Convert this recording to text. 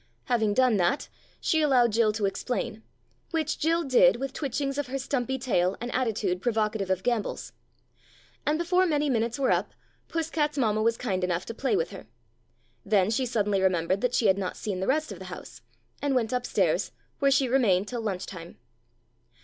Having done that, she allowed Jill to explain, which Jill did with twitchings of her stumpy tail and attitude provoca tive of gambols. And before many minutes were up, Puss cat's mamma was kind enough to play with her. Then she suddenly remembered that she had not seen the rest of the house, and went upstairs, where she remained till lunch time.